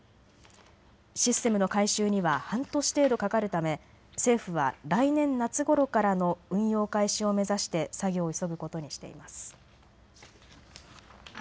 システムの改修には半年程度かかるため、政府は来年夏ごろからの運用開始を目指して作業を急ぐことにしています。